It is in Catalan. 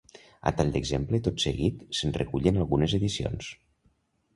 A tall d'exemple, tot seguit se'n recullen algunes edicions.